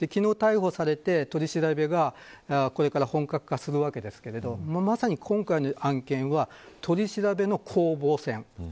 昨日、逮捕されて取り調べがこれから本格化するわけですから今回の案件は取り調べの攻防戦です。